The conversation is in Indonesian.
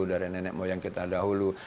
dari nenek moyang kita dahulu